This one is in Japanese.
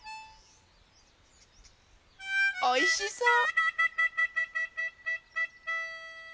おいしそう！